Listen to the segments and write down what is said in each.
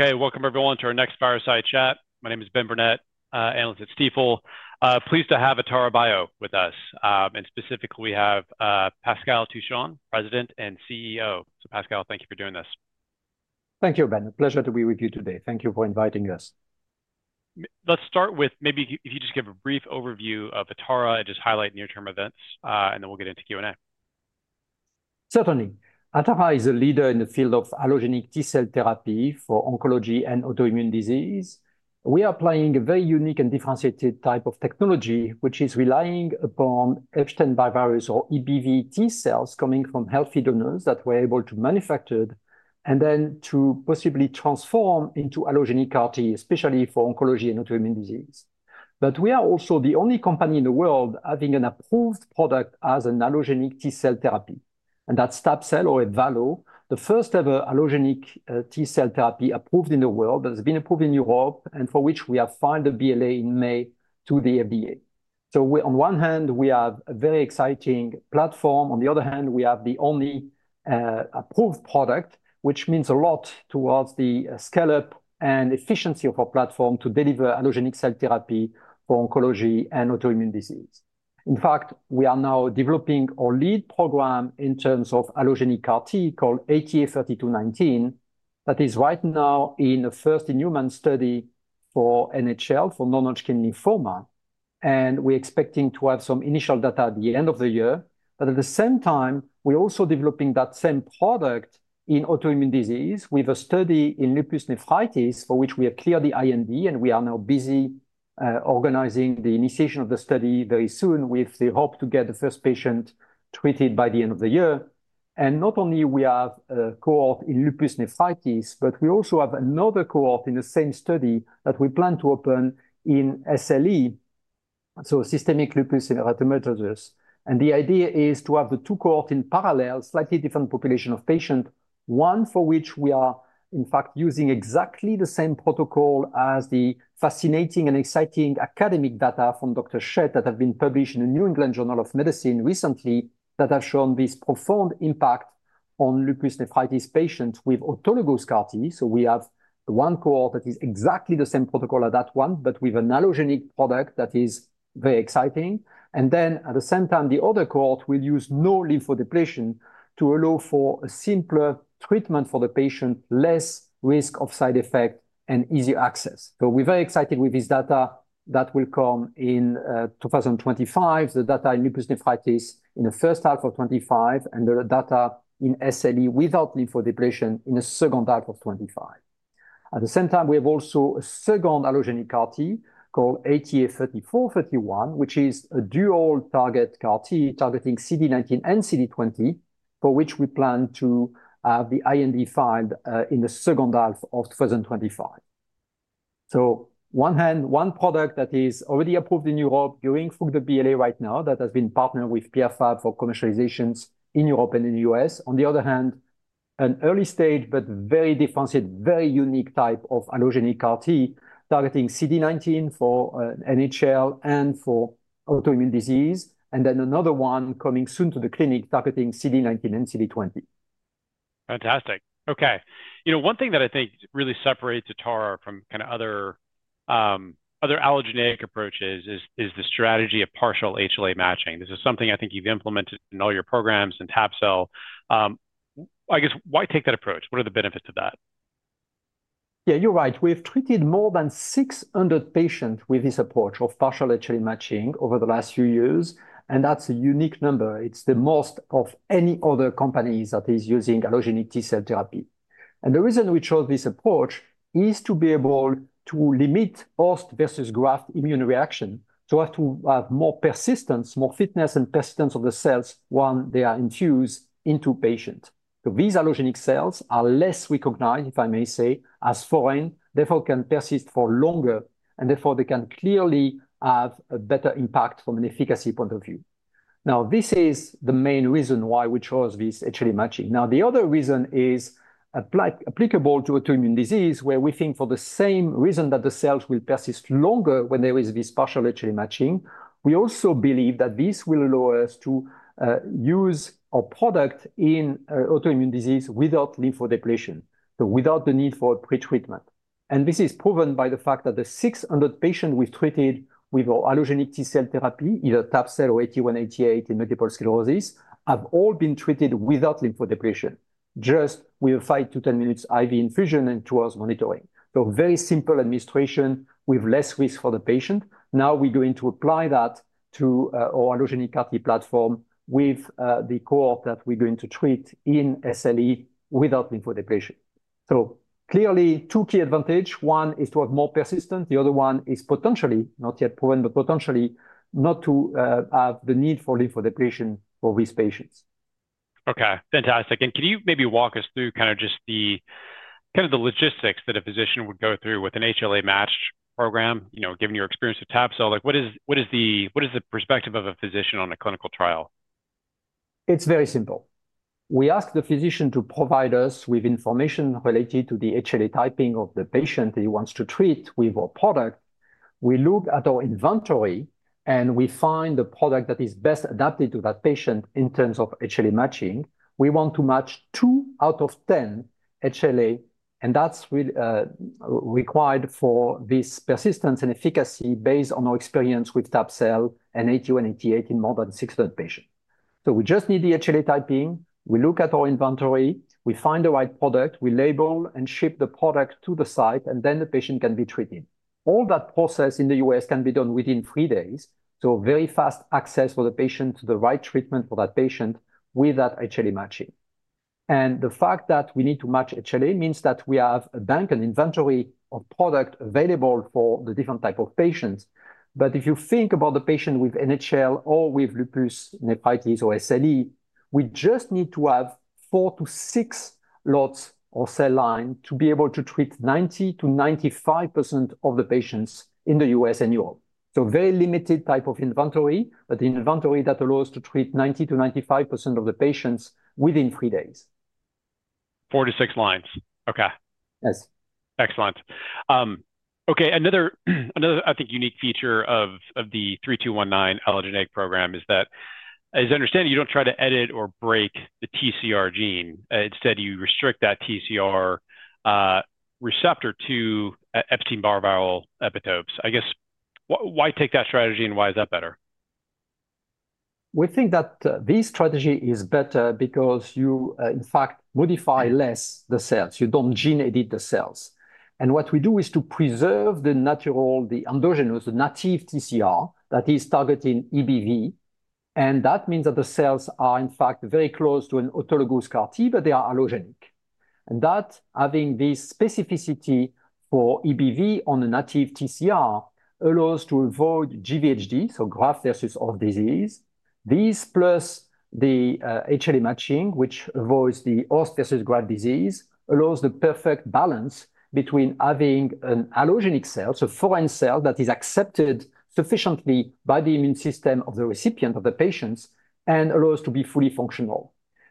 Okay, welcome everyone to our next Fireside Chat. My name is Ben Burnett, analyst at Stifel. Pleased to have Atara Bio with us, and specifically we have, Pascal Touchon, President and CEO. So Pascal, thank you for doing this. Thank you, Ben. Pleasure to be with you today. Thank you for inviting us. Let's start with maybe if you, if you just give a brief overview of Atara and just highlight near-term events, and then we'll get into Q&A. Certainly. Atara is a leader in the field of allogeneic T-cell therapy for oncology and autoimmune disease. We are applying a very unique and differentiated type of technology, which is relying upon Epstein-Barr virus or EBV T-cells coming from healthy donors that we're able to manufacture, and then to possibly transform into allogeneic CAR-T, especially for oncology and autoimmune disease. But we are also the only company in the world having an approved product as an allogeneic T-cell therapy, and that's tab-cel or Ebvallo, the first ever allogeneic T-cell therapy approved in the world, that has been approved in Europe, and for which we have filed a BLA in May to the FDA. So we on one hand, we have a very exciting platform, on the other hand, we have the only approved product, which means a lot towards the scale-up and efficiency of our platform to deliver allogeneic cell therapy for oncology and autoimmune disease. In fact, we are now developing our lead program in terms of allogeneic CAR-T called ATA3219, that is right now in the first in human study for NHL, for non-Hodgkin lymphoma, and we're expecting to have some initial data at the end of the year. But at the same time, we're also developing that same product in autoimmune disease with a study in lupus nephritis, for which we have cleared the IND, and we are now busy organizing the initiation of the study very soon, with the hope to get the first patient treated by the end of the year. Not only do we have a cohort in lupus nephritis, but we also have another cohort in the same study that we plan to open in SLE, so systemic lupus erythematosus. The idea is to have the two cohorts in parallel, slightly different population of patients, one for which we are, in fact, using exactly the same protocol as the fascinating and exciting academic data from Dr. Schett that have been published in the New England Journal of Medicine recently, that have shown this profound impact on lupus nephritis patients with autologous CAR-T. So we have one cohort that is exactly the same protocol as that one, but with an allogeneic product that is very exciting. And then, at the same time, the other cohort will use no lymphodepletion to allow for a simpler treatment for the patient, less risk of side effects, and easy access. So we're very excited with this data that will come in 2025. The data in lupus nephritis in the first half of 2025, and the data in SLE without lymphodepletion in the second half of 2025. At the same time, we have also a second allogeneic CAR-T called ATA3431, which is a dual target CAR-T, targeting CD19 and CD20, for which we plan to have the IND filed in the second half of 2025. On one hand, one product that is already approved in Europe, going through the BLA right now, that has been partnered with Pierre Fabre for commercializations in Europe and in the US. On the other hand, an early stage, but very defensive, very unique type of allogeneic CAR-T, targeting CD19 for NHL and for autoimmune disease, and then another one coming soon to the clinic, targeting CD19 and CD20. Fantastic. Okay, you know, one thing that I think really separates Atara from kind of other other allogeneic approaches is the strategy of partial HLA matching. This is something I think you've implemented in all your programs in Tab-cel. I guess, why take that approach? What are the benefits of that? Yeah, you're right. We have treated more than 600 patients with this approach of partial HLA matching over the last few years, and that's a unique number. It's the most of any other companies that is using allogeneic T-cell therapy. And the reason we chose this approach is to be able to limit host versus graft immune reaction, to have to, more persistence, more fitness and persistence of the cells when they are infused into patients. So these allogeneic cells are less recognized, if I may say, as foreign, therefore, can persist for longer, and therefore, they can clearly have a better impact from an efficacy point of view. Now, this is the main reason why we chose this HLA matching. Now, the other reason is applicable to autoimmune disease, where we think for the same reason that the cells will persist longer when there is this partial HLA matching. We also believe that this will allow us to use a product in autoimmune disease without lymphodepletion, so without the need for pre-treatment. This is proven by the fact that the 600 patients we've treated with our allogeneic T-cell therapy, either tab-cel or ATA188 in multiple sclerosis, have all been treated without lymphodepletion, just with a 5-10 minutes IV infusion and followed by monitoring. So very simple administration with less risk for the patient. Now, we're going to apply that to our allogeneic CAR-T platform with the cohort that we're going to treat in SLE without lymphodepletion. So clearly, two key advantage: one is to have more persistence, the other one is potentially, not yet proven, but potentially not to, have the need for lymphodepletion for these patients. Okay, fantastic. Can you maybe walk us through kind of just the, kind of the logistics that a physician would go through with an HLA-matched program? You know, given your experience with tab-cel, like what is the perspective of a physician on a clinical trial? It's very simple. We ask the physician to provide us with information related to the HLA typing of the patient that he wants to treat with our product. We look at our inventory and we find the product that is best adapted to that patient in terms of HLA matching. We want to match 2 out of 10 HLA, and that's really required for this persistence and efficacy based on our experience with tab-cel and ATA188 in more than 60 patients. So we just need the HLA typing, we look at our inventory, we find the right product, we label and ship the product to the site, and then the patient can be treated. All that process in the U.S. can be done within 3 days, so very fast access for the patient to the right treatment for that patient with that HLA matching. The fact that we need to match HLA means that we have a bank, an inventory of product available for the different type of patients. But if you think about the patient with NHL or with lupus nephritis or SLE, we just need to have 4-6 lots or cell line to be able to treat 90%-95% of the patients in the U.S. and Europe. So very limited type of inventory, but the inventory that allows to treat 90%-95% of the patients within 3 days. 4-6 lines. Okay. Yes. Excellent. Okay, another, I think, unique feature of the 3219 allogeneic program is that, as I understand, you don't try to edit or break the TCR gene. Instead, you restrict that TCR receptor to Epstein-Barr viral epitopes. I guess, why take that strategy, and why is that better? We think that, this strategy is better because you, in fact, modify less the cells. You don't gene edit the cells. And what we do is to preserve the natural, the endogenous, the native TCR that is targeting EBV, and that means that the cells are, in fact, very close to an autologous CAR T, but they are allogeneic. And that, having this specificity for EBV on the native TCR, allows to avoid GvHD, so graft-versus-host disease. This plus the HLA matching, which avoids the host-versus-graft disease, allows the perfect balance between having an allogeneic cell, so foreign cell, that is accepted sufficiently by the immune system of the recipient, of the patients, and allows to be fully functional.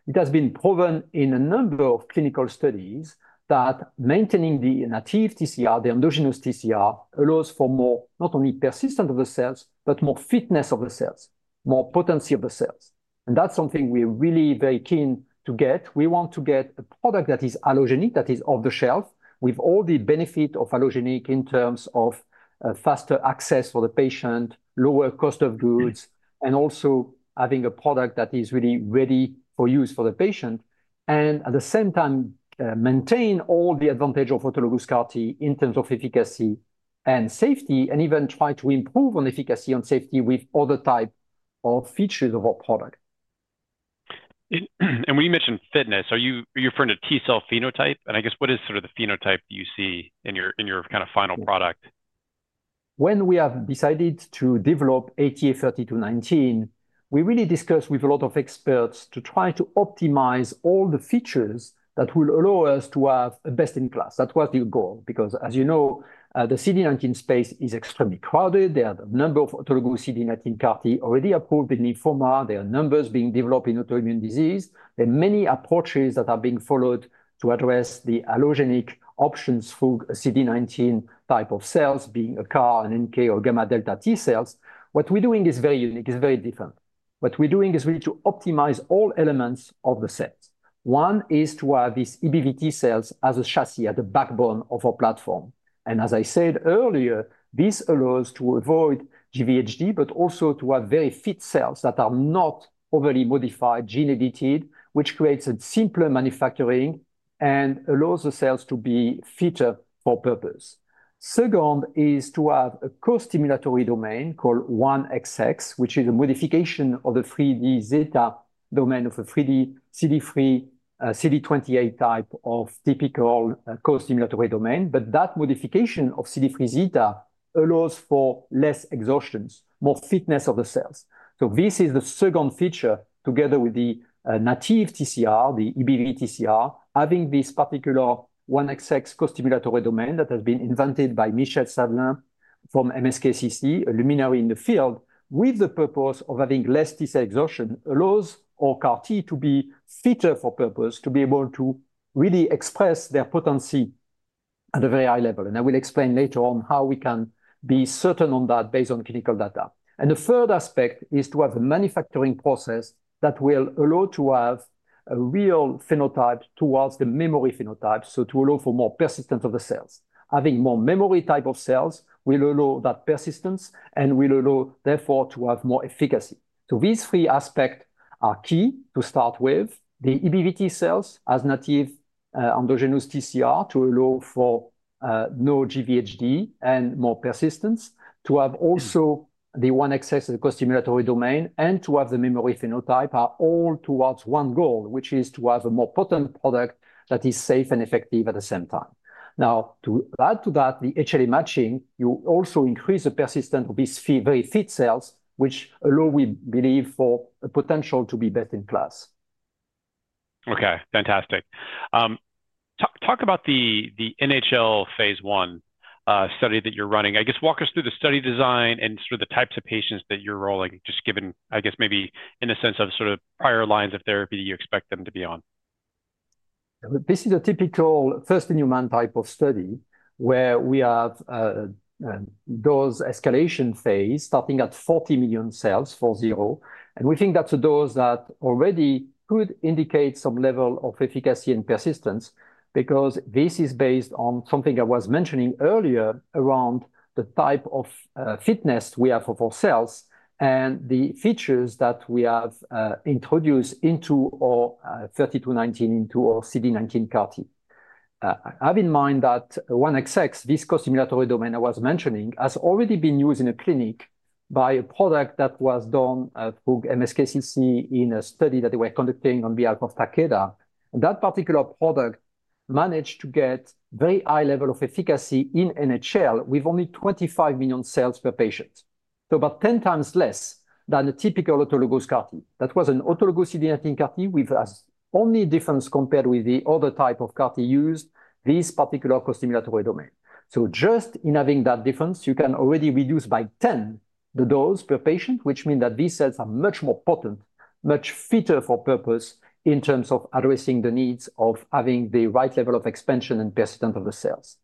It has been proven in a number of clinical studies that maintaining the native TCR, the endogenous TCR, allows for more not only persistent of the cells, but more fitness of the cells, more potency of the cells. That's something we're really very keen to get. We want to get a product that is allogeneic, that is off-the-shelf, with all the benefit of allogeneic in terms of, faster access for the patient, lower cost of goods, and also having a product that is really ready for use for the patient, and at the same time, maintain all the advantage of autologous CAR T in terms of efficacy and safety, and even try to improve on efficacy and safety with other type of features of our product. When you mention fitness, are you referring to T-cell phenotype? I guess what is sort of the phenotype you see in your kinda final product? When we have decided to develop ATA3219, we really discussed with a lot of experts to try to optimize all the features that will allow us to have a best-in-class. That was the goal. Because, as you know, the CD19 space is extremely crowded. There are a number of autologous CD19 CAR-T already approved in lymphoma. There are numbers being developed in autoimmune disease. There are many approaches that are being followed to address the allogeneic options for CD19 type of cells, being a CAR, an NK, or gamma delta T cells. What we're doing is very unique, is very different. What we're doing is really to optimize all elements of the sets. One is to have these EBV T cells as a chassis, as the backbone of our platform. As I said earlier, this allows to avoid GvHD, but also to have very fit cells that are not overly modified, gene edited, which creates a simpler manufacturing and allows the cells to be fitter for purpose. Second is to have a co-stimulatory domain called 1XX, which is a modification of the CD3 zeta domain of a CD3, CD28 type of typical, co-stimulatory domain. But that modification of CD3 zeta allows for less exhaustion, more fitness of the cells. So this is the second feature together with the native TCR, the EBV TCR, having this particular 1XX co-stimulatory domain that has been invented by Michel Sadelain from MSKCC, a luminary in the field, with the purpose of having less T cell exhaustion, allows our CAR T to be fitter for purpose, to be able to really express their potency at a very high level. I will explain later on how we can be certain on that based on clinical data. The third aspect is to have a manufacturing process that will allow to have a real phenotype towards the memory phenotype, so to allow for more persistence of the cells. Having more memory type of cells will allow that persistence and will allow, therefore, to have more efficacy. So these three aspects are key to start with, the EBV T cells as native endogenous TCR, to allow for no GvHD and more persistence. To have also the 1XX costimulatory domain and to have the memory phenotype are all towards one goal, which is to have a more potent product that is safe and effective at the same time. Now, to add to that, the HLA matching, you also increase the persistence of these very fit cells, which allow, we believe, for a potential to be best in class. Okay, fantastic. Talk about the NHL phase I study that you're running. I guess walk us through the study design and sort of the types of patients that you're enrolling, just given, I guess, maybe in the sense of sort of prior lines of therapy you expect them to be on. This is a typical first-in-human type of study, where we have dose escalation phase starting at 40 million cells, 40, and we think that's a dose that already could indicate some level of efficacy and persistence, because this is based on something I was mentioning earlier around the type of fitness we have of our cells and the features that we have introduced into our 3219, into our CD19 CAR-T. Have in mind that 1XX, this co-stimulatory domain I was mentioning, has already been used in a clinic by a product that was done through MSKCC in a study that they were conducting on behalf of Takeda. That particular product managed to get very high level of efficacy in NHL, with only 25 million cells per patient, so about 10 times less than a typical autologous CAR-T. That was an autologous CD19 CAR T with, as only difference compared with the other type of CAR T used, this particular co-stimulatory domain. So just in having that difference, you can already reduce by 10 the dose per patient, which mean that these cells are much more potent, much fitter for purpose in terms of addressing the needs of having the right level of expansion and persistence of the cells.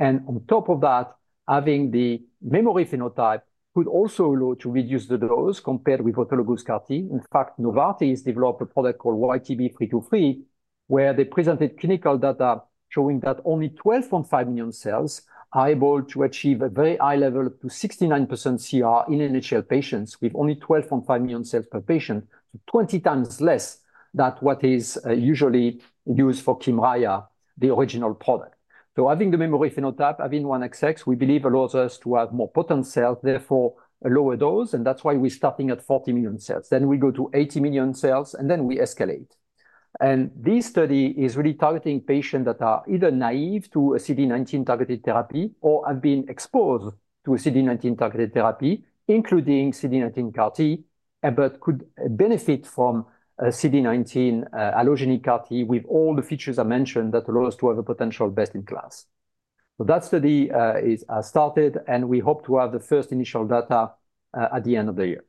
On top of that, having the memory phenotype could also allow to reduce the dose compared with autologous CAR T. In fact, Novartis developed a product called YTB323, where they presented clinical data showing that only 12.5 million cells are able to achieve a very high level, up to 69% CR in NHL patients, with only 12.5 million cells per patient, so twenty times less than what is usually used for Kymriah, the original product. So having the memory phenotype, having 1XX, we believe allows us to have more potent cells, therefore a lower dose, and that's why we're starting at 40 million cells. Then we go to 80 million cells, and then we escalate. This study is really targeting patients that are either naive to a CD19-targeted therapy or have been exposed to a CD19-targeted therapy, including CD19 CAR T, but could benefit from a CD19 allogeneic CAR T with all the features I mentioned that allow us to have a potential best-in-class. That study is started, and we hope to have the first initial data at the end of the year.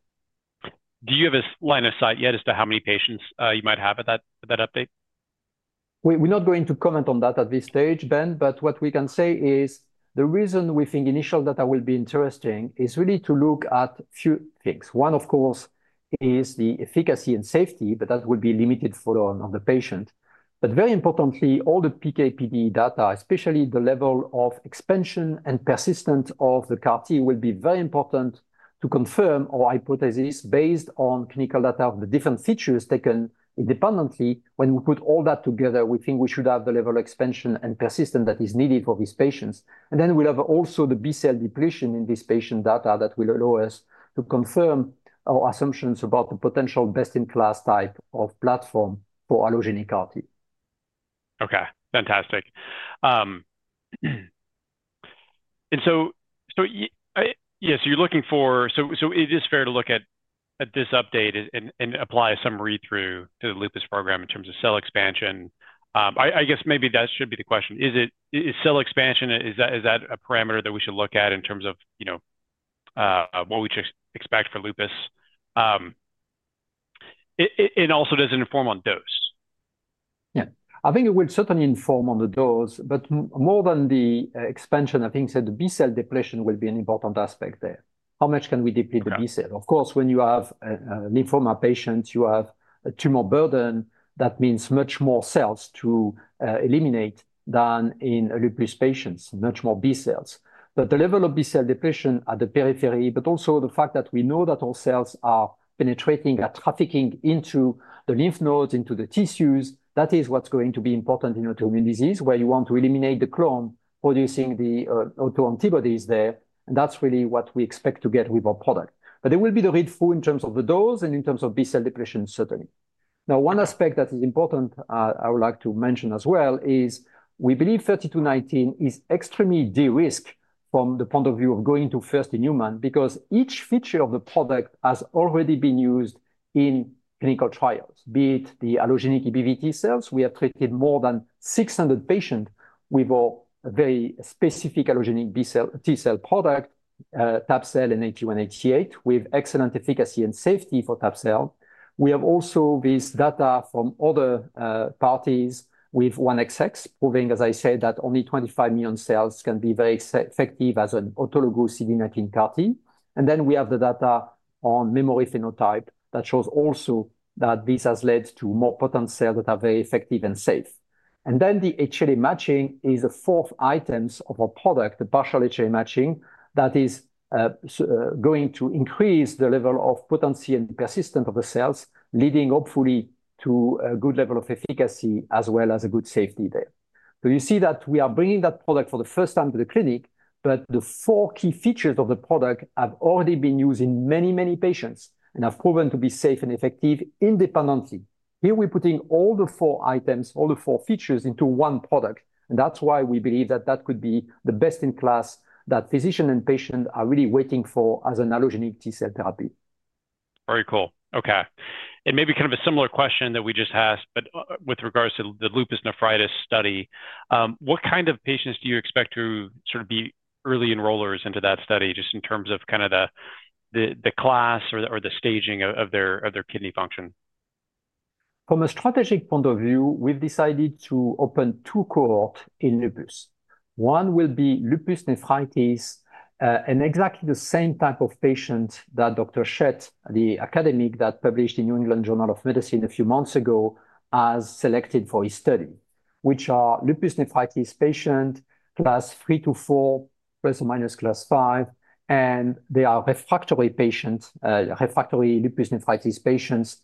Do you have a line of sight yet as to how many patients you might have at that update? We, we're not going to comment on that at this stage, Ben, but what we can say is, the reason we think initial data will be interesting is really to look at few things. One, of course, is the efficacy and safety, but that will be limited follow on the patient. But very importantly, all the PK/PD data, especially the level of expansion and persistence of the CAR T, will be very important to confirm our hypothesis based on clinical data of the different features taken independently. When we put all that together, we think we should have the level of expansion and persistence that is needed for these patients. And then we'll have also the B-cell depletion in this patient data that will allow us to confirm our assumptions about the potential best-in-class type of platform for allogeneic CAR T. Okay, fantastic. And so, yes, you're looking for— So, it is fair to look at this update and apply some read-through to the lupus program in terms of cell expansion. I guess maybe that should be the question. Is it— Is cell expansion, is that a parameter that we should look at in terms of, you know, what we should expect for lupus? And also, does it inform on dose? Yeah. I think it would certainly inform on the dose, but more than the expansion, I think, so the B-cell depletion will be an important aspect there. How much can we deplete the B cell? Yeah. Of course, when you have a, a lymphoma patient, you have a tumor burden that means much more cells to, eliminate than in a lupus patients, much more B cells. But the level of B-cell depletion at the periphery, but also the fact that we know that all cells are penetrating, are trafficking into the lymph nodes, into the tissues, that is what's going to be important in autoimmune disease, where you want to eliminate the clone producing the, autoantibodies there. And that's really what we expect to get with our product. But it will be the read-through in terms of the dose and in terms of B-cell depletion, certainly. Now, one aspect that is important, I would like to mention as well, is we believe 3219 is extremely de-risked from the point of view of going to first-in-human, because each feature of the product has already been used in clinical trials, be it the allogeneic EBV T cells. We have treated more than 600 patients with a very specific allogeneic B cell T cell product, tab-cel and ATA188, with excellent efficacy and safety for tab-cel. We have also this data from other parties with 1XX, proving, as I said, that only 25 million cells can be very effective as an autologous CD19 CAR-T. And then we have the data on memory phenotype that shows also that this has led to more potent cells that are very effective and safe. And then the HLA matching is the fourth items of our product, the partial HLA matching, that is, going to increase the level of potency and persistence of the cells, leading hopefully to a good level of efficacy as well as a good safety there. So you see that we are bringing that product for the first time to the clinic, but the four key features of the product have already been used in many, many patients and have proven to be safe and effective independently. Here, we're putting all the four items, all the four features into one product, and that's why we believe that that could be the best in class, that physician and patient are really waiting for as an allogeneic T-cell therapy. Very cool. Okay. It may be kind of a similar question that we just asked, but with regards to the lupus nephritis study, what kind of patients do you expect to sort of be early enrollers into that study, just in terms of kind of the class or the staging of their kidney function? From a strategic point of view, we've decided to open two cohort in lupus. One will be lupus nephritis, and exactly the same type of patient that Dr. Schett, the academic that published in New England Journal of Medicine a few months ago, has selected for his study, which are lupus nephritis patient, class 3-4, ± class 5, and they are refractory patients, refractory lupus nephritis patients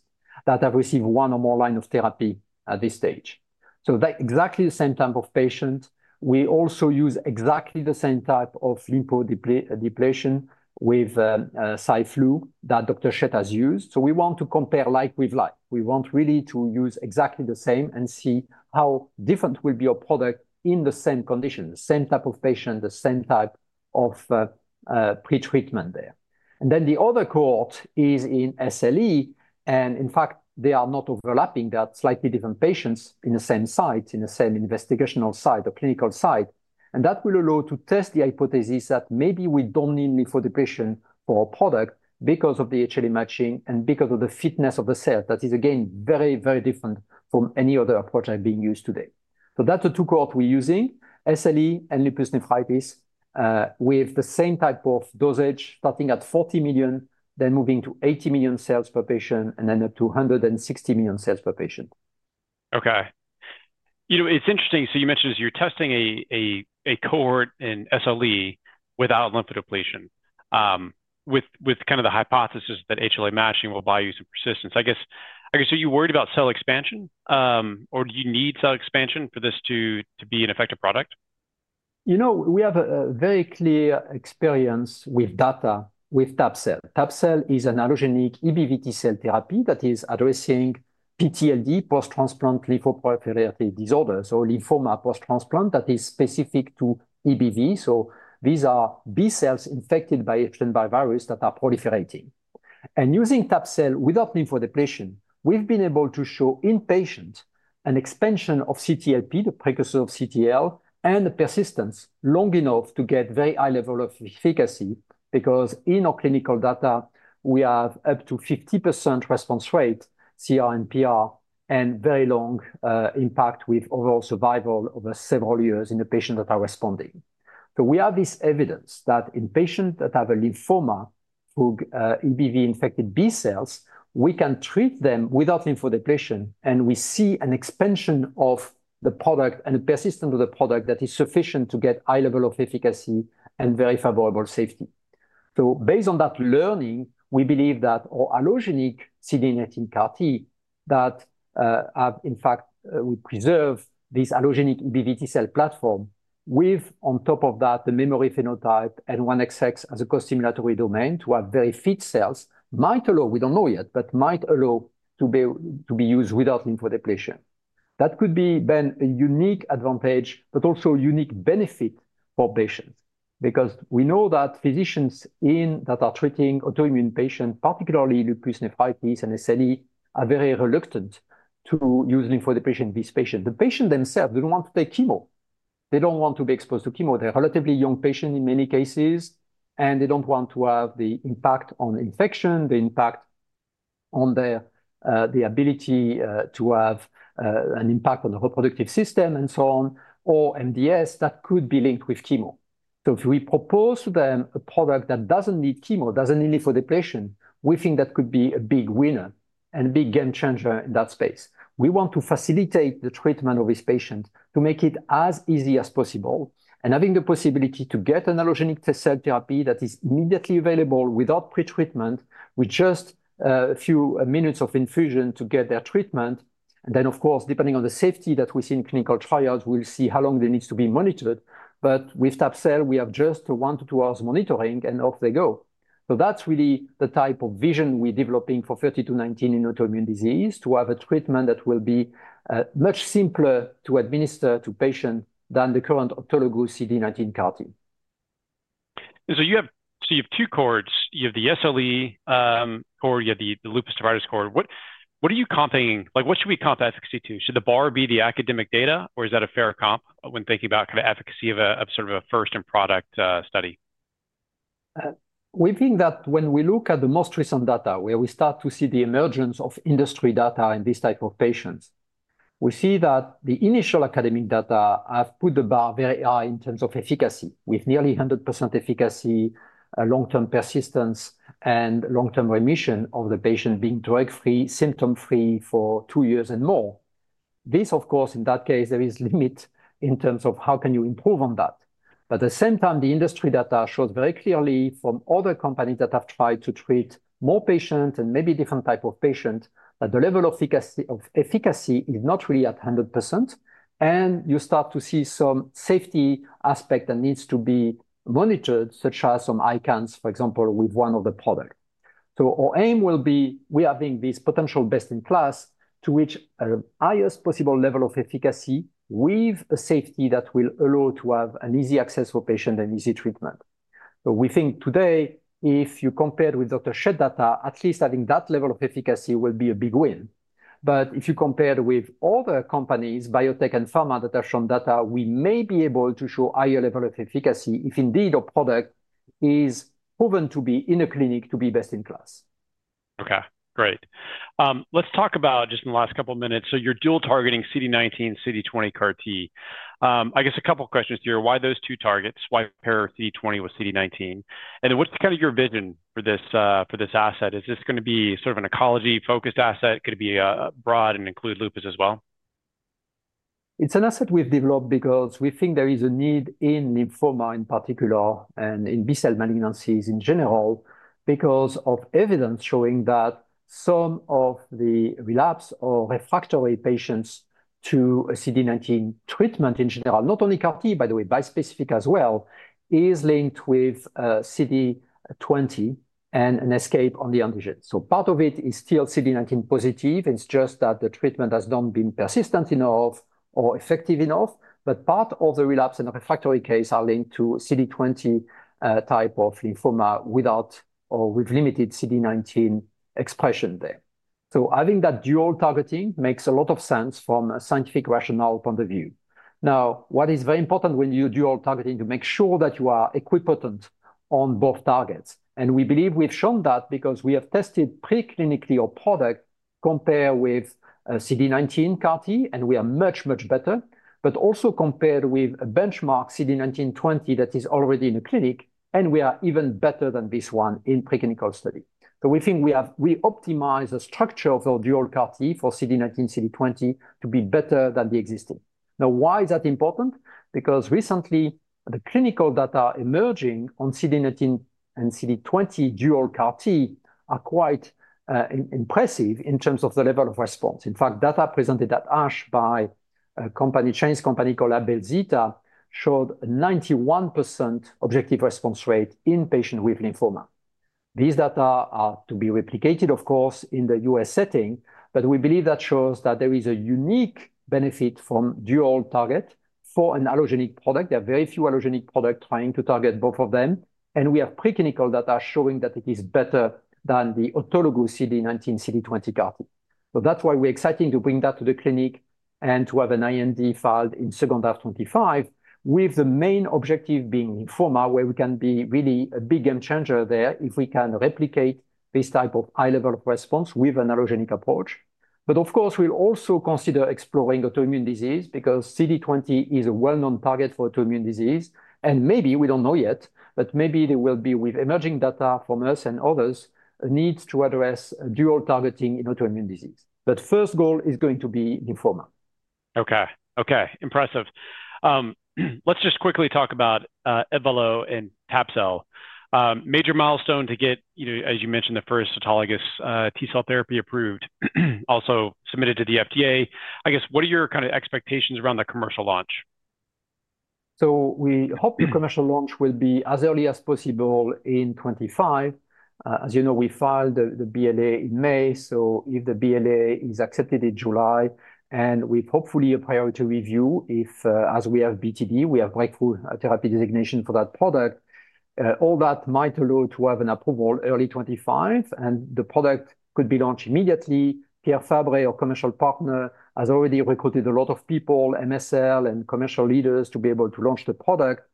that have received one or more line of therapy at this stage. So that exactly the same type of patient. We also use exactly the same type of lymphodepletion with Cy/Flu that Dr. Schett has used. So we want to compare like with like. We want really to use exactly the same and see how different will be a product in the same condition, the same type of patient, the same type of pre-treatment there. And then the other cohort is in SLE, and in fact, they are not overlapping. They are slightly different patients in the same site, in the same investigational site, the clinical site, and that will allow to test the hypothesis that maybe we don't need lymphodepletion for our product because of the HLA matching and because of the fitness of the cell. That is, again, very, very different from any other approach that are being used today. So that's the two cohort we're using, SLE and lupus nephritis, with the same type of dosage, starting at 40 million, then moving to 80 million cells per patient, and then up to 160 million cells per patient. Okay. You know, it's interesting, so you mentioned you're testing a cohort in SLE without lymphodepletion, with kind of the hypothesis that HLA matching will buy you some persistence. I guess, are you worried about cell expansion, or do you need cell expansion for this to be an effective product? You know, we have a very clear experience with data with tab-cel. tab-cel is an allogeneic EBV T cell therapy that is addressing PTLD, post-transplant lymphoproliferative disorder, so lymphoma post-transplant that is specific to EBV. So these are B cells infected by Epstein-Barr virus that are proliferating. And using tab-cel without lymphodepletion, we've been able to show in patient an expansion of CTLP, the precursor of CTL, and the persistence long enough to get very high level of efficacy, because in our clinical data, we have up to 50% response rate, CR and PR, and very long impact with overall survival over several years in the patients that are responding. So we have this evidence that in patients that have a lymphoma who EBV-infected B cells, we can treat them without lymphodepletion, and we see an expansion of the product and the persistence of the product that is sufficient to get high level of efficacy and very favorable safety. So based on that learning, we believe that our allogeneic CD19 CAR-T, that in fact, we preserve this allogeneic EBV T cell platform with, on top of that, the memory phenotype and 1XX as a costimulatory domain to have very fit cells, might allow, we don't know yet, but might allow to be, to be used without lymphodepletion. That could be then a unique advantage, but also a unique benefit for patients, because we know that physicians in that are treating autoimmune patients, particularly lupus nephritis and SLE, are very reluctant to use lymphodepletion in these patients. The patient themselves, they don't want to take chemo. They don't want to be exposed to chemo. They're a relatively young patient in many cases, and they don't want to have the impact on infection, the impact on their, the ability, to have, an impact on the reproductive system, and so on, or MDS that could be linked with chemo. So if we propose to them a product that doesn't need chemo, doesn't need lymphodepletion, we think that could be a big winner and a big game changer in that space. We want to facilitate the treatment of this patient to make it as easy as possible, and having the possibility to get an allogeneic T-cell therapy that is immediately available without pre-treatment, with just a few minutes of infusion to get their treatment. And then, of course, depending on the safety that we see in clinical trials, we'll see how long they needs to be monitored. But with tab-cel, we have just one to two hours monitoring, and off they go. So that's really the type of vision we're developing for ATA3219 in autoimmune disease, to have a treatment that will be much simpler to administer to patients than the current autologous CD19 CAR-T. So you have two cohorts. You have the SLE cohort, you have the lupus nephritis cohort. What are you comping? Like, what should we comp efficacy to? Should the bar be the academic data, or is that a fair comp when thinking about kind of efficacy of a sort of a first-in-product study? We think that when we look at the most recent data, where we start to see the emergence of industry data in these type of patients, we see that the initial academic data have put the bar very high in terms of efficacy, with nearly 100% efficacy, long-term persistence, and long-term remission of the patient being drug-free, symptom-free for two years and more. This, of course, in that case, there is limit in terms of how can you improve on that. But at the same time, the industry data shows very clearly from other companies that have tried to treat more patients and maybe different type of patients, that the level of efficacy, of efficacy is not really at 100%, and you start to see some safety aspect that needs to be monitored, such as some ICANS, for example, with one of the product. So our aim will be, we are being this potential best-in-class to reach a highest possible level of efficacy with a safety that will allow to have an easy access for patient and easy treatment. But we think today, if you compare with Dr. Schett data, at least having that level of efficacy will be a big win. But if you compare with other companies, biotech and pharma, that have shown data, we may be able to show higher level of efficacy if indeed our product is proven to be in a clinic to be best in class. Okay, great. Let's talk about, just in the last couple minutes, so you're dual targeting CD19, CD20 CAR-T. I guess a couple questions here. Why those two targets? Why pair CD20 with CD19? And then what's kind of your vision for this, for this asset? Is this gonna be sort of an allogeneic-focused asset? Could it be, broad and include lupus as well? It's an asset we've developed because we think there is a need in lymphoma in particular, and in B-cell malignancies in general, because of evidence showing that some of the relapse or refractory patients to a CD19 treatment in general, not only CAR T, by the way, bispecific as well, is linked with CD20 and an escape on the antigen. So part of it is still CD19 positive, it's just that the treatment has not been persistent enough or effective enough. But part of the relapse and the refractory case are linked to CD20 type of lymphoma without, or with limited CD19 expression there. So I think that dual targeting makes a lot of sense from a scientific rationale point of view. Now, what is very important when you do dual targeting, to make sure that you are equipotent on both targets, and we believe we've shown that because we have tested pre-clinically our product compared with CD19 CAR T, and we are much, much better, but also compared with a benchmark CD19/20 that is already in the clinic, and we are even better than this one in pre-clinical study. So we think we optimize the structure of the dual CAR T for CD19, CD20 to be better than the existing. Now, why is that important? Because recently, the clinical data emerging on CD19 and CD20 dual CAR T are quite impressive in terms of the level of response. In fact, data presented at ASH by a company, Chinese company called AbelZeta, showed a 91% objective response rate in patient with lymphoma. These data are to be replicated, of course, in the U.S. setting, but we believe that shows that there is a unique benefit from dual target for an allogeneic product. There are very few allogeneic product trying to target both of them, and we have pre-clinical data showing that it is better than the autologous CD19, CD20 CAR-T. So that's why we're excited to bring that to the clinic and to have an IND filed in second half 2025, with the main objective being lymphoma, where we can be really a big game changer there if we can replicate this type of high level response with an allogeneic approach. Of course, we'll also consider exploring autoimmune disease, because CD20 is a well-known target for autoimmune disease, and maybe, we don't know yet, but maybe there will be, with emerging data from us and others, a need to address dual targeting in autoimmune disease. But first goal is going to be lymphoma. Okay. Okay, impressive. Let's just quickly talk about Ebvallo and tab-cel. Major milestone to get, you know, as you mentioned, the first autologous T-cell therapy approved, also submitted to the FDA. I guess, what are your kind of expectations around the commercial launch? So we hope the commercial launch will be as early as possible in 2025. As you know, we filed the BLA in May, so if the BLA is accepted in July, and with hopefully a priority review, if as we have BTD, we have breakthrough therapy designation for that product, all that might allow to have an approval early 2025, and the product could be launched immediately. Pierre Fabre, our commercial partner, has already recruited a lot of people, MSL and commercial leaders, to be able to launch the product.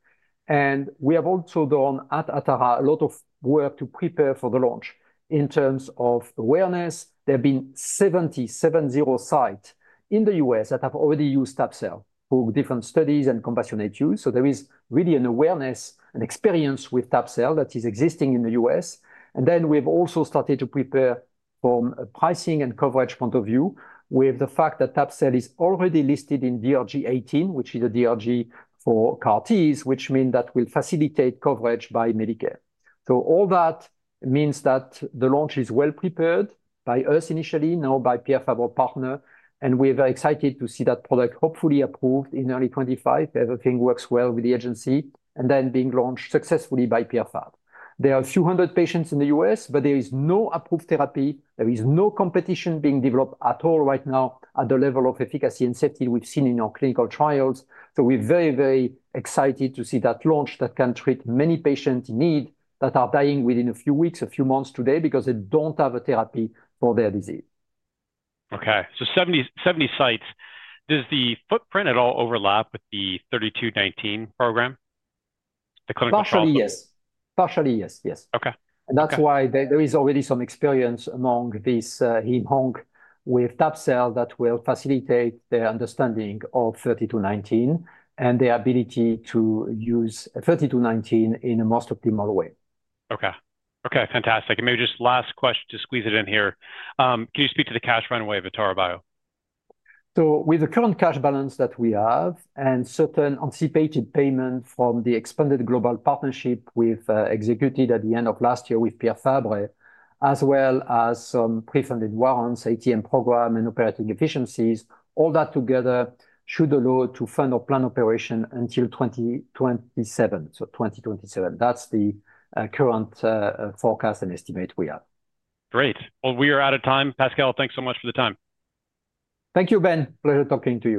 We have also done, at Atara, a lot of work to prepare for the launch. In terms of awareness, there have been 70 sites in the U.S. that have already used tab-cel for different studies and compassionate use, so there is really an awareness and experience with tab-cel that is existing in the U.S. Then we've also started to prepare from a pricing and coverage point of view, with the fact that tab-cel is already listed in DRG 18, which is a DRG for CAR-Ts, which mean that will facilitate coverage by Medicare. So all that means that the launch is well prepared, by us initially, now by Pierre Fabre, our partner, and we're very excited to see that product hopefully approved in early 2025, if everything works well with the agency, and then being launched successfully by Pierre Fabre. There are a few hundred patients in the U.S., but there is no approved therapy, there is no competition being developed at all right now at the level of efficacy and safety we've seen in our clinical trials. So we're very, very excited to see that launch that can treat many patients in need that are dying within a few weeks, a few months today because they don't have a therapy for their disease. Okay, so 70, 70 sites. Does the footprint at all overlap with the 3219 program, the clinical trials? Partially, yes. Partially, yes, yes. Okay. That's why there is already some experience among this hem/onc with tab-cel that will facilitate their understanding of 3219, and the ability to use 3219 in a most optimal way. Okay. Okay, fantastic. Maybe just last question to squeeze it in here. Can you speak to the cash runway of Atara Bio? So with the current cash balance that we have, and certain anticipated payment from the expanded global partnership we've executed at the end of last year with Pierre Fabre, as well as some pre-funded warrants, ATM program, and operating efficiencies, all that together should allow to fund our plan operation until 2027. So 2027, that's the current forecast and estimate we have. Great! Well, we are out of time. Pascal, thanks so much for the time. Thank you, Ben. Pleasure talking to you.